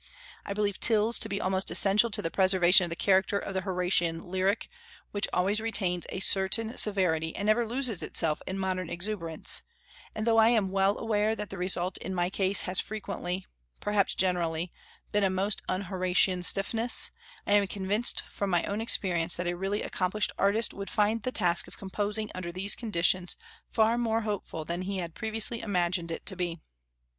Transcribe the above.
I believe tills to be almost essential to the preservation of the character of the Horatian lyric, which always retains a certain severity, and never loses itself in modern exuberance; and though I am well aware that the result in my case has frequently, perhaps generally, been a most un Horatian stiffness, I am convinced from my own experience that a really accomplished artist would find the task of composing under these conditions far more hopeful than he had previously imagined it to be.